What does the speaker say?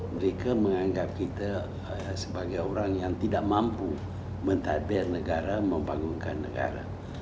mereka menganggap kita sebagai orang yang tidak mampu mentabir negara membangunkan negara